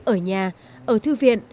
ở nhà ở thư viện